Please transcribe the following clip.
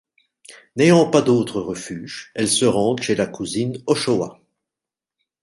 N'ayant pas d'autre refuge, elles se rendent chez la cousine Ochoa.